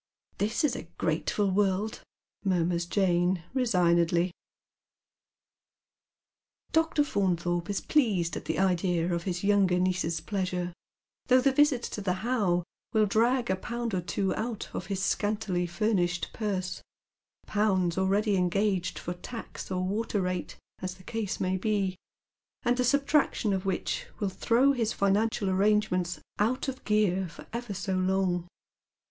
" This is a grateful world," murmurs Jane, resignedly. Dr. Faunthorpe is pleased at the idea of his younger niece's pleasure, though the visit to the How will drag a pound or two out of his scantily furnished purse, pounds already engaged fof tax or water rate, as the case may be, and the subtraction of which will throw his financial arrangements out of gear for ever so long.